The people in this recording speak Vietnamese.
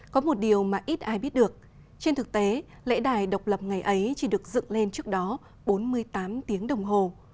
có một điều mà ít ai biết được trên thực tế lễ đài độc lập ngày ấy chỉ được dựng lên trước đó bốn mươi tám tiếng đồng hồ